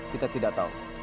kita tidak tahu